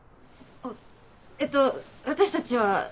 えっと私たちは。